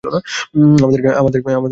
আমাদেরকে সাবধান হতে হবে।